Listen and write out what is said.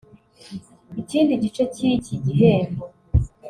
Ikindi gice cy’iki gihembo